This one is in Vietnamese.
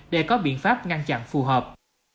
để có biện pháp ngăn chặn phù hợp